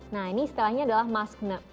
nah ini istilahnya adalah maskne